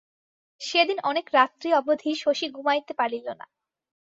সেদিন অনেক রাত্রি অবধি শশী ঘুমাইতে পারিল না।